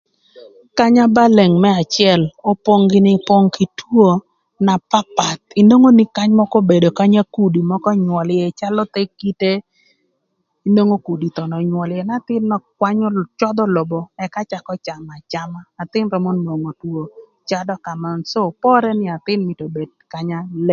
Kanya ba leng më acël opong gïnï opong kï two na papath inwongo nï kany mökö obedo kanya kudi mökö önywöl ïë calö thë kite nwongo kudi thon önywöl ïë n'athïn nök kwanyö cödhö lobo ëka cakö camö acama athïn römö nwongo two cadö kömanon cë pore nï athïn mïtö obed kanya leng.